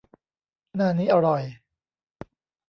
หน้านี้อร่อย